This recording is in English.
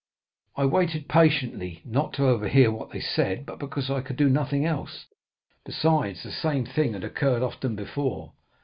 "I waited patiently, not to overhear what they said, but because I could do nothing else; besides, the same thing had occurred often before.